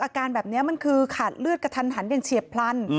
อาการแบบนี้มันคือขาดเลือดกระทันหันอย่างเฉียบพลัน